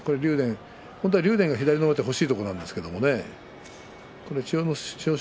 本当は竜電が左の上手を欲しいところなんですけれど千代翔